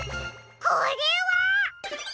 これは！？